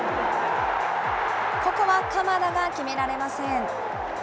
ここは鎌田が決められません。